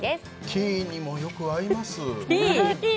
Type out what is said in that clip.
ティーにもよく合いますティー？